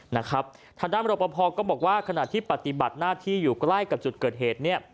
ทางด้านรปภก็บอกว่าขณะที่ปฏิบัติหน้าที่อยู่ใกล้กับจุดเกิดเหตุเนี่ย